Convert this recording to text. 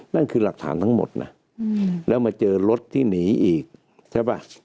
นั่นคือหลักฐานทั้งหมดนะแล้วมาเจอรถที่หนีอีกใช่ป่ะ